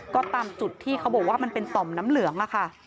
ก็ตามจุดที่เขาบอกว่ามันเป็นต่อมน้ำเหลืองอะค่ะ